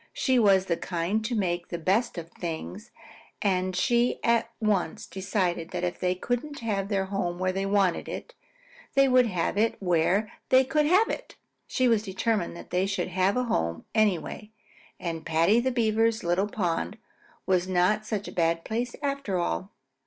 She was the kind to make the best of things, and she at once decided that if they couldn't have their home where they wanted it, they would have it where they could have it. She was determined that they should have a home anyway, and Paddy the Beaver's little pond was not such a bad place after all.